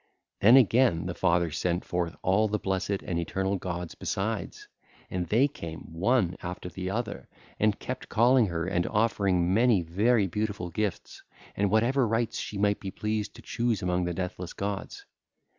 Then again the father sent forth all the blessed and eternal gods besides: and they came, one after the other, and kept calling her and offering many very beautiful gifts and whatever right she might be pleased to choose among the deathless gods.